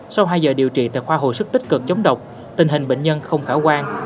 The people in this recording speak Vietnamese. sau hai giờ điều trị tại khoa hồi sức tích cực chống độc tình hình bệnh nhân không khả quan